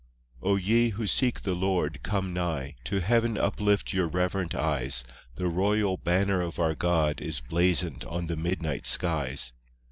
I O ye who seek the Lord, come nigh, To heaven uplift your reverent eyes, The Royal Banner of our God Is blazoned on the midnight skies.